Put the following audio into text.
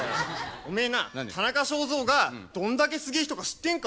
おめえなあ田中正造がどんだけすげえ人か知ってんか？